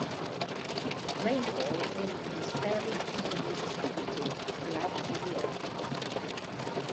Rainfall in is fairly evenly distributed throughout the year.